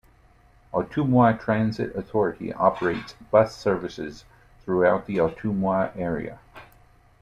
Ottumwa Transit Authority operates bus services throughout the Ottumwa area.